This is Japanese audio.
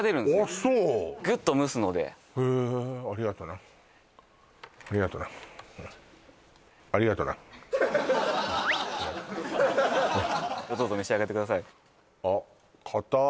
そうぐっと蒸すのでへえありがとなどうぞ召し上がってください